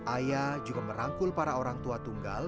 ayah juga merangkul para orang tua tunggal